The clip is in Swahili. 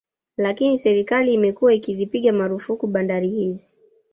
Lakini serikali imekuwa ikizipiga marufuku bandari hizi